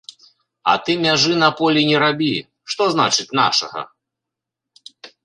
А ты мяжы на полі не рабі, што значыць нашага?